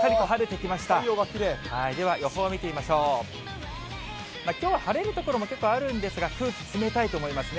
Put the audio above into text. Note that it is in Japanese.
きょうは晴れる所も結構あるんですが、空気、冷たいと思いますね。